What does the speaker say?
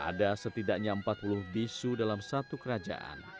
ada setidaknya empat puluh bisu dalam satu kerajaan